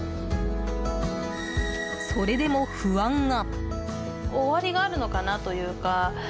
それでも、不安が。